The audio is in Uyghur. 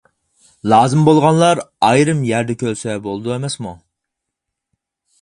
لازىم بولغانلار ئايرىم يەردە كۆرسە بولىدۇ ئەمەسمۇ.